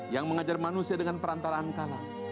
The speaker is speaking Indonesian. yang mengajar manusia dengan perantaraan kalam